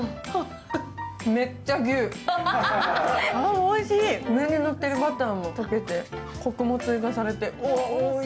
おいしい、上に乗っているバターも溶けて、コクも追加されて。